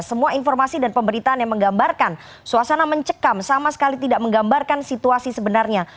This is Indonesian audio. semua informasi dan pemberitaan yang menggambarkan suasana mencekam sama sekali tidak menggambarkan situasi sebenarnya